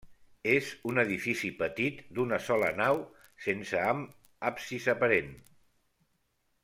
És un edifici petit, d'una sola nau sense amb absis aparent.